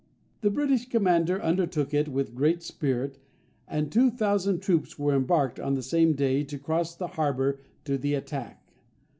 The British commander undertook it with great spirit, and two thousand troops were embarked on the same day to cross the harbour to the attack.